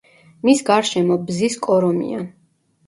მის გარშემო ბზის კორომია.